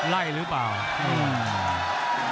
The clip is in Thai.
ไล่หรือเปล่าอืม